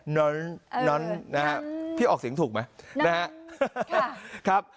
น้อนน้อนนะฮะพี่ออกเสียงถูกไหมนะฮะค่ะครับ